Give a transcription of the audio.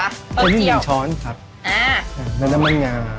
อันนี้งาช้อนครับอ่าแล้วน้ำมันงา